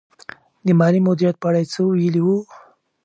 د مالي مدیریت په اړه یې څه ویلي وو؟